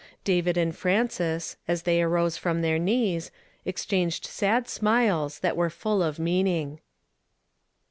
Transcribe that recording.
David and Frances, as they arose from their knees, exchanged sad smiles that were full of meaning.